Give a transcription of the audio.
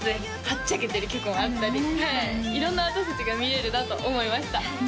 はっちゃけてる曲もあったり色んな私達が見れるなと思いました